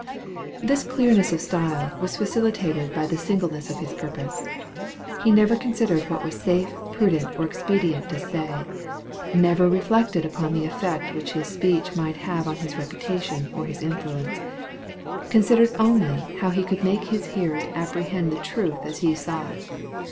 This clearness of style was facilitated by the singleness of his purpose. He never considered what was safe, prudent, or expedient to say, never reflected upon the effect which his speech might have on his reputation or his influence, considered only how he could make his hearers apprehend the truth as he saw it.